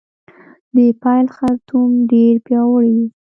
د پیل خرطوم ډیر پیاوړی وي